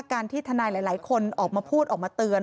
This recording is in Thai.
การที่ทนายหลายคนออกมาพูดออกมาเตือน